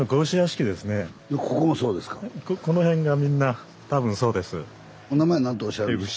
この辺がみんな多分そうです。